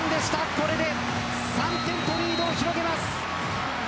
これで３点とリードを広げます。